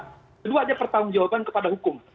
kedua dia pertanggung jawaban kepada hukum